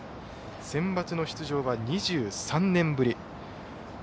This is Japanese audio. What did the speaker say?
センバツの出場は２３年ぶり。